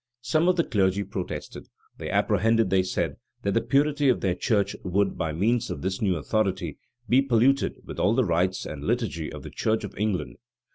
Some of the clergy protested. They apprehended, they said, that the purity of their church would, by means of this new authority, be polluted with all the rites and liturgy of the church of England.